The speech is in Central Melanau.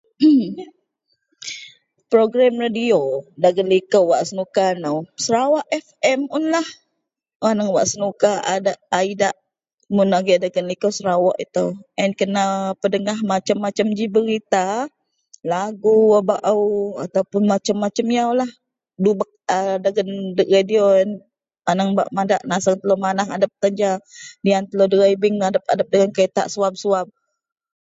Program radio wak senuka ko sarawak FM un lah, wak senuka a idak wak dagen likou sarawak itou,a yen kena pedengah macem macem ji serita lagu wak baou macem macem yaulah a dagen radio aneng madak telo manah tan ja lian telo dribing adep- adep dagen kereta suab.